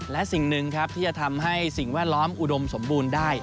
และสิ่งหนึ่งครับที่จะทำให้สิ่งแวดล้อมอุดมสมบูรณ์ได้